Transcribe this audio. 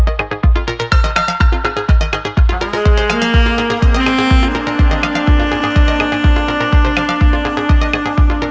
mau balik rumah saya permisi